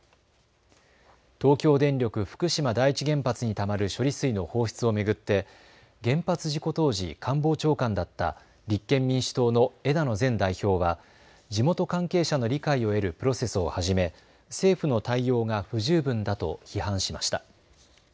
東京電力福島第一原発にたまる処理水の放出を巡って原発事故当時、官房長官だった立憲民主党の枝野前代表は地元関係者の理解を得るプロセスをはじめ政府の対応が不十分だと批判しました。